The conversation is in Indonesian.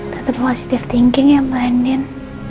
tetap positive thinking ya mbak nen